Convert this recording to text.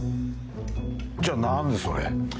じゃあ何でそれ。